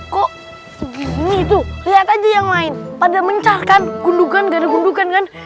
kok gitu lihat aja yang lain pada mencarkan gundukan gara gundukan kan